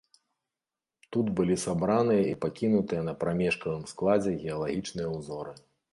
Тут былі сабраныя і пакінутыя на прамежкавым складзе геалагічныя ўзоры.